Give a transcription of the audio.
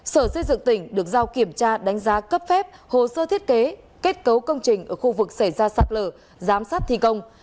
sở xây dựng tỉnh được giao kiểm tra đánh giá cấp phép hồ sơ thiết kế kết cấu công trình ở khu vực xảy ra sạt lở giám sát thi công